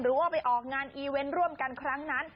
ว่าไปออกงานอีเวนต์ร่วมกันครั้งนั้น